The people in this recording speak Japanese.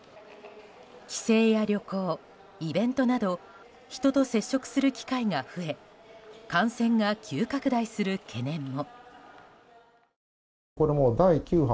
帰省や旅行、イベントなど人と接触する機会が増え感染が急拡大する懸念も。